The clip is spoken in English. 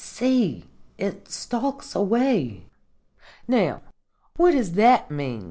_ See, it stalks away'" "Now, what does that mean?"